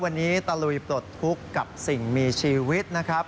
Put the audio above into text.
วันนี้ตะลุยปลดทุกข์กับสิ่งมีชีวิตนะครับ